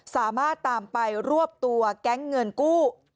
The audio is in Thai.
สามารถตามไปรวบตัวแก๊งเงินกู้